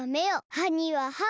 はにははを。